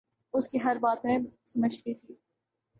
اس کی ہر بات میں سمجھتی تھی